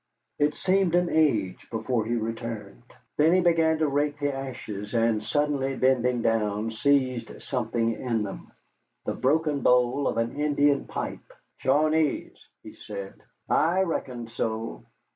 It seemed an age before he returned. Then he began to rake the ashes, and, suddenly bending down, seized something in them, the broken bowl of an Indian pipe. "Shawnees!" he said; "I reckoned so."